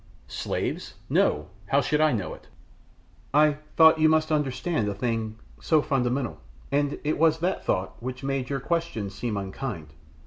"'Slaves,' no; how should I know it?" "I thought you must understand a thing so fundamental, and it was that thought which made your questions seem unkind.